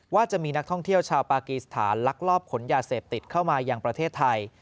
ว่าจะมีนักท่องเที่ยวชาวปากีสถานลักลอบขนยาเสพติดเข้ามายังประเทศไทย